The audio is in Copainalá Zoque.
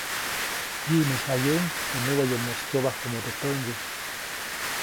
Pyiʼmäyjayuʼuŋ teʼ näwayomoʼis kyobajkomo teʼ täʼŋguy.